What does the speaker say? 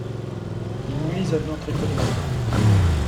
Ils nuisent à notre économie.